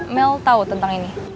mel tau tentang ini